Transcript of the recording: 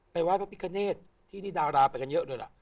ไปวัดพระพิกาเนสที่นี่ดาราไปกันเยอะด้วยล่ะ